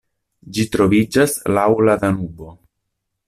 Ĝi troviĝas laŭ la Danubo.